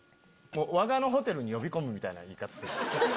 わがのホテルに呼び込むみたいな言い方する。